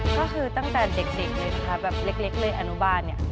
ก็คือตั้งแต่เด็กเลยค่ะแบบเล็กเลยอนุบาลเนี่ย